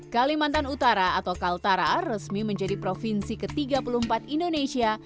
kalimantan utara atau kaltara resmi menjadi provinsi ke tiga puluh empat indonesia